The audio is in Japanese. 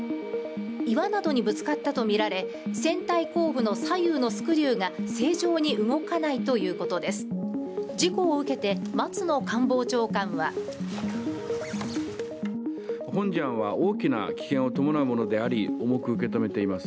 岩などにぶつかったとみられ、船体後部の左右のスクリューが正常に動かないということです。